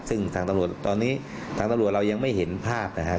ซึ่งทางตำรวจตอนนี้ทางตำรวจเรายังไม่เห็นภาพนะครับ